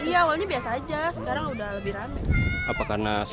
iya awalnya biasa aja sekarang udah lebih rame